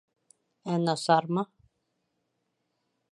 Ә насармы?